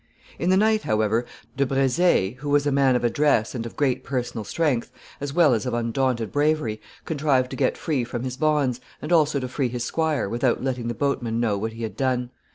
] In the night, however, De Brezé, who was a man of address and of great personal strength, as well as of undaunted bravery, contrived to get free from his bonds, and also to free his squire, without letting the boatmen know what he had done.